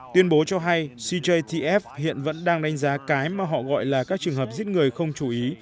tuyên bố cho hay cjtf hiện vẫn đang đánh giá cái mà họ gọi là các trường hợp giết người không chú ý